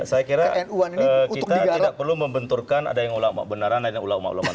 saya kira kita tidak perlu membenturkan ada yang ulama benaran ada yang ulama ulama